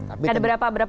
ada berapa kursi disana